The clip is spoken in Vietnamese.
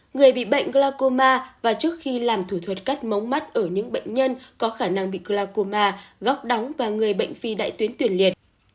người bị bệnh glakoma và trước khi làm thủ thuật cắt mống mắt ở những bệnh nhân có khả năng bị glacoma gốc đóng và người bệnh phi đại tuyến tuyển liệt